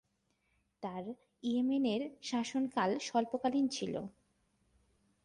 তার ইয়েমেনের শাসনকাল স্বল্পকালীন ছিল।